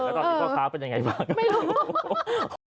แล้วตอนนี้พ่อค้าเป็นยังไงบ้างไม่รู้